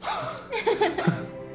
フフフフ。